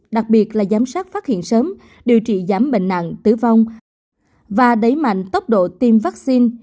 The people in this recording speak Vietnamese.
đặc biệt là giám sát phát hiện sớm điều trị giảm bệnh nặng tử vong và đẩy mạnh tốc độ tiêm vaccine